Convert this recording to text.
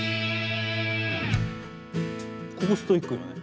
ここストイックだね。